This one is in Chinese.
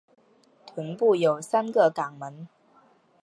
臀部有三个肛门。